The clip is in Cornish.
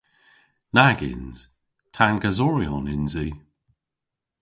Nag yns. Tangasoryon yns i.